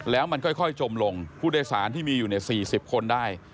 แล้วมันค่อยจมลงผู้โดยสารที่มีอยู่๔๐คนได้